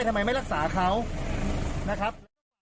ทำไมไม่รักษาเขานะครับ